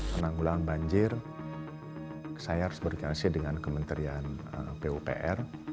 penanggulangan banjir saya harus berkoordinasi dengan kementerian pupr